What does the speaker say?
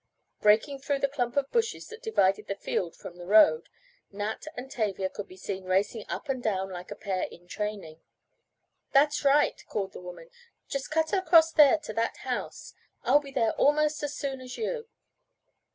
Breaking through the clump of bushes that divided the field from the road Nat and Tavia could be seen racing up and down like a pair in "training." "That's right," called the woman, "just cut across there to that house. I'll be there almost as soon as you."